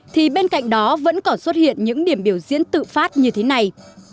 thì bên cạnh đó vẫn còn xuất hiện những điểm biểu diễn tự phát như thế này